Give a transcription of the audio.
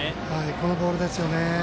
このボールですよね。